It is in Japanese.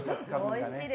おいしいです。